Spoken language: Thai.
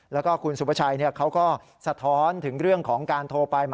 แล้วก็คุณสุภาชัยเขาก็สะท้อนถึงเรื่องของการโทรไป